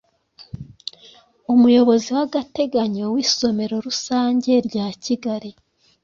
Umuyobozi w’agateganyo w’isomero rusange rya Kigali,